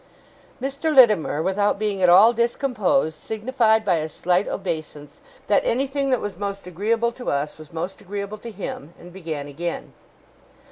Mr. Littimer, without being at all discomposed, signified by a slight obeisance, that anything that was most agreeable to us was most agreeable to him; and began again.